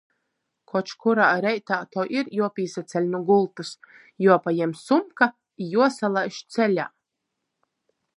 Koč kurā reitā to ir juopīsaceļ nu gultys, juopajem sumka i juosalaiž ceļā.